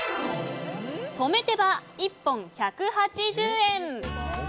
とめ手羽、１本１８０円。